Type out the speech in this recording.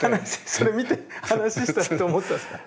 それ見て話したらと思ったんですか？